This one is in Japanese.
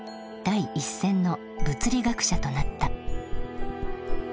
第一線の物理学者となった。